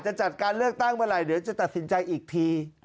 จัดการเลือกตั้งเมื่อไหร่เดี๋ยวจะตัดสินใจอีกที